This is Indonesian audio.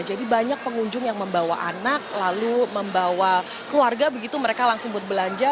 jadi banyak pengunjung yang membawa anak lalu membawa keluarga begitu mereka langsung berbelanja